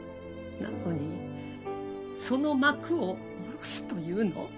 なのにその幕を下ろすというの？